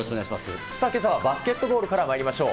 けさはバスケットボールからまいりましょう。